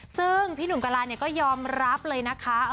ซึ่งพี่หนุ่มกะลาก็ยอมรับเลยนะคะ